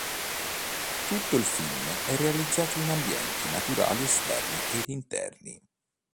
Tutto il film è realizzato in ambienti naturali esterni ed interni".